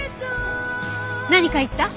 何か言った？